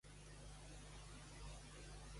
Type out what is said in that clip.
Busca la sèrie "Packed to the Rafters".